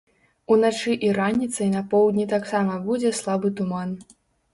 Уначы і раніцай на поўдні таксама будзе слабы туман.